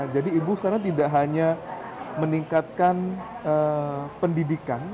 jadi ibu sekarang tidak hanya meningkatkan pendidikan